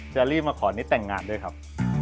จะรีบมาขอนิดแต่งงานด้วยครับ